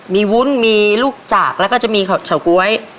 มีวุ้นมีลูกจากแล้วก็จะมีเฉาก๊วย